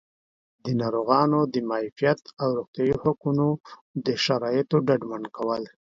د ناروغانو د معافیت او روغتیایي حقونو د شرایطو ډاډمن کول